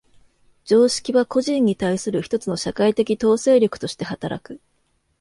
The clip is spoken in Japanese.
常識は個人に対する一つの社会的統制力として働く。